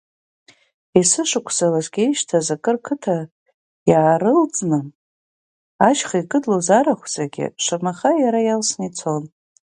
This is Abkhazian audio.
Есышықәса ласкьа ишьҭаз акыр қыҭа иаарылҵны ашьха икыдлоз арахә зегьы, шамаха, иара иалсны ицон.